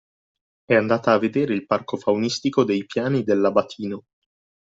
È andata a vedere il Parco Faunistico dei piani dell’Abatino.